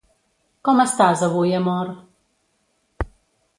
Com estàs avui amor?